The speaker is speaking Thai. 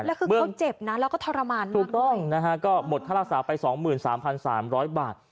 แล้วคือเขาเจ็บนะแล้วก็ทรมานถูกต้องนะฮะก็หมดทาราษาไปสองหมื่นสามพันสามร้อยบาท